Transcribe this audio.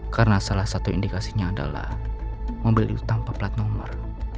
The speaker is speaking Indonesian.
karena salah satu indikasinya adalah mobil itu tanpa plat nomor